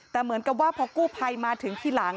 แต่เหมือนกับว่าพอกู้ภัยมาถึงทีหลัง